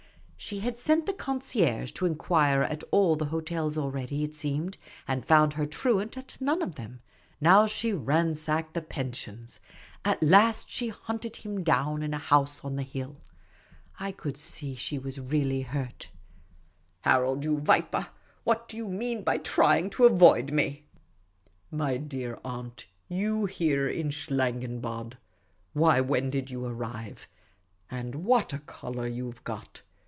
She had sent the concierge to inquire at all the hotels already, it seemed, and found her truant at none of them ; now she ransacked the pensions. At last she hunted him down in a house on the hill. I could see she was really hurt. The Supercilious Attache 4^ " Harold, you viper, what do you mean by trying to avoid me?" " My dear aunt, jyou here in Schlangenbad ! Why, when did you arrive ? And what a colour you 've got